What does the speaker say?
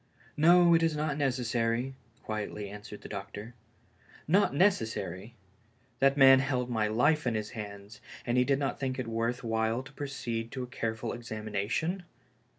"No, it is not necessary," quietly answered the doctor. Not necessary! That man held my life in his hands, and he did not think it worth while to proceed to a ca]*e ful examination